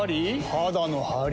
肌のハリ？